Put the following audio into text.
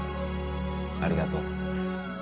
ありがとう